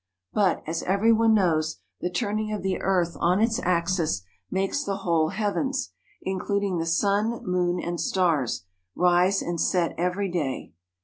But, as everyone knows, the turning of the earth on its axis makes the whole heavens, including the sun, moon, and stars, rise and set every day.